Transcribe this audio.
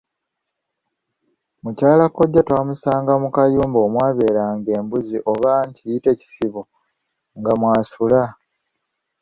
Mukyala kkojja twamusanga mu kayumba omwabeeranga embuzi oba nkiyite kisibo, nga mw'asula.